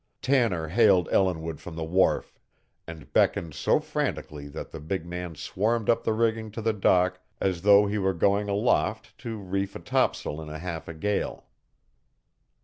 Tanner hailed Ellinwood from the wharf and beckoned so frantically that the big man swarmed up the rigging to the dock as though he were going aloft to reef a topsail in a half a gale.